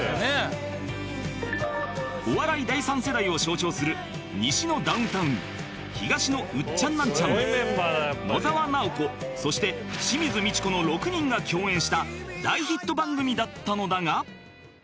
お笑い第３世代を象徴する西のダウンタウン東のウッチャンナンチャン野沢直子そして清水ミチコの６人が共演した大ヒット番組だったのだが